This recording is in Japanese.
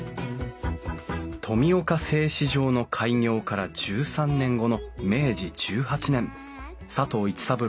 富岡製糸場の開業から１３年後の明治１８年佐藤市三郎はこの家を建てた。